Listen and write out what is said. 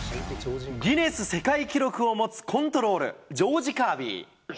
ギネス世界記録を持つコントロール、ジョージ・カービー。